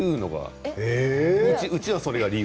うちは、それが理由。